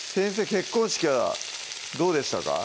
結婚式はどうでしたか？